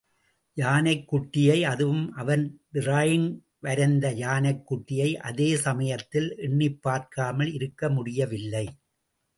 யானைக்குட்டியை அதுவும் அவன் டிராயிங் வரைந்த யானைக்குட்டியை அதே சமயத்தில் எண்ணிப்பார்க்காமல் இருக்க முடியவில்லை.